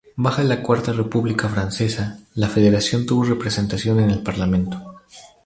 Bajo la Cuarta República Francesa, la federación tuvo representación en el parlamento.